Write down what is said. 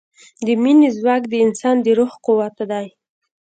د مینې ځواک د انسان د روح قوت دی.